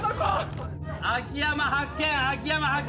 秋山発見秋山発見。